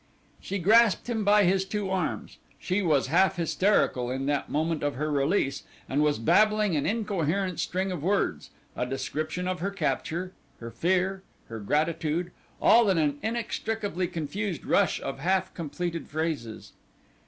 She grasped him by his two arms; she was half hysterical in that moment of her release, and was babbling an incoherent string of words; a description of her capture her fear her gratitude all in an inextricably confused rush of half completed phrases.